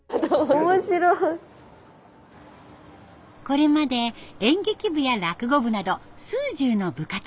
これまで演劇部や落語部など数十の部活。